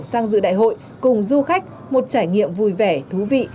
sang dự đại hội cùng du khách một trải nghiệm vui vẻ thú vị